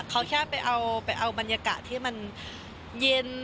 เขาแค่ไปเอาไปเอาบรรยากาศที่มันเย็น